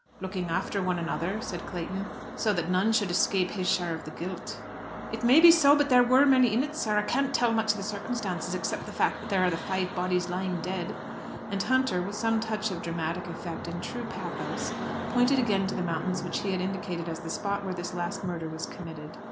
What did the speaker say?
"Looking after one another," said Clayton, "so that none should escape his share of the guilt." "It may be so. But there were many in it, sir. I can't tell much of the circumstances, except the fact that there are the five bodies lying dead." And Hunter, with some touch of dramatic effect and true pathos, pointed again to the mountains which he had indicated as the spot where this last murder was committed.